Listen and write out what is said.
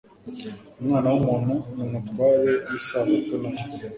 «Umwana w'umuntu ni Umutware w'isabato na yo.